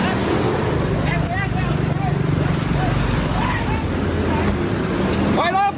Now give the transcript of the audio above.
มันเนียมลงมันเนียมลง